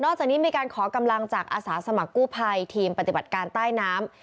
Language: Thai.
จากนี้มีการขอกำลังจากอาสาสมัครกู้ภัยทีมปฏิบัติการใต้น้ำ